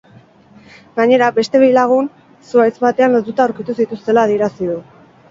Gainera, beste bi lagun zuhaitz batean lotuta aurkitu zituztela adierazi du.